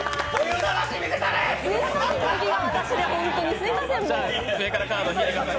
すみません、私で。